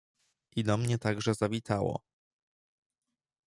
"I do mnie także zawitało."